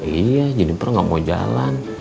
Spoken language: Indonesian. iya jenipur gak mau jalan